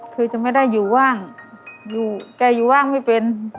คือจะไม่ได้อยู่ว่างอยู่แกอยู่ว่างไม่เป็น